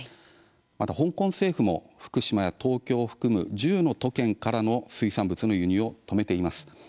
また香港政府も福島や東京を含む１０の都県からの水産物の輸入を止めています。